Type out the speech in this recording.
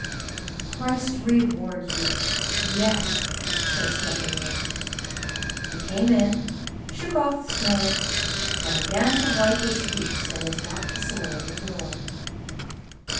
"Christ reward you! Yes!" said Stepanuich. He came in, shook off the snow, and began to wipe his feet so as not to soil the floor.